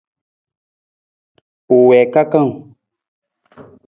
U wii kakang.